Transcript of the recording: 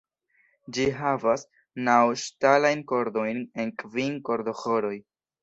Ĝi havas naŭ ŝtalajn kordojn en kvin kordoĥoroj.